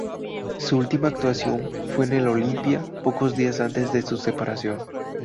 Su última actuación fue en el "Olimpia", pocos días antes de su separación.